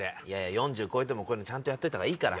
４０超えてもこういうのちゃんとやったほうがいいから。